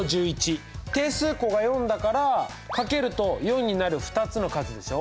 定数項が４だからかけると４になる２つの数でしょ。